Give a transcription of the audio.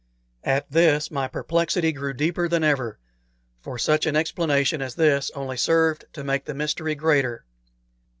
At this my perplexity grew deeper than ever, for such an explanation as this only served to make the mystery greater.